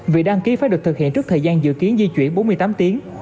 việc đăng ký phải được thực hiện trước thời gian dự kiến di chuyển bốn mươi tám tiếng